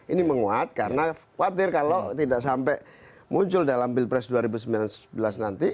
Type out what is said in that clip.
ini menguat karena khawatir kalau tidak sampai muncul dalam pilpres dua ribu sembilan belas nanti